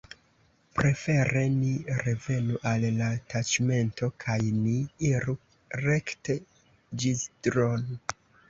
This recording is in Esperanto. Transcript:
Prefere ni revenu al la taĉmento kaj ni iru rekte Ĵizdro'n.